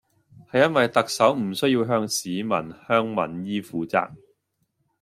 係因為特首唔需要向市民向民意負責